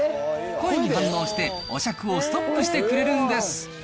声に反応して、お酌をストップしてくれるんです。